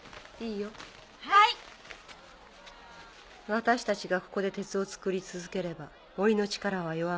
私たちがここで鉄を作り続ければ森の力は弱まる。